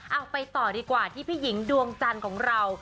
เอาไปต่อดีกว่าที่พี่หญิงดวงจันทร์ของเรา